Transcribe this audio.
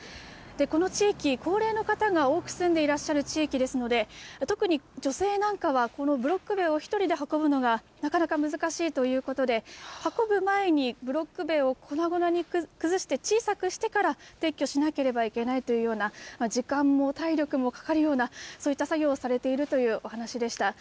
この地域、高齢の方が多く住んでいらっしゃる地域ですので、特に女性なんかは、このブロック塀を１人で運ぶのがなかなか難しいということで、運ぶ前にブロック塀を粉々に崩して小さくしてから撤去しなければいけないというような、時間も体力もかかるような、そういった作業をされているというお話でした。